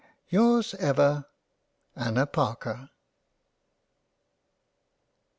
Yours Ever, Anna Parker.